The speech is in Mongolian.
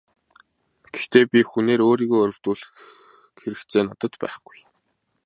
Гэхдээ би хүнээр өөрийгөө өрөвдүүлэх хэрэгцээ надад байхгүй.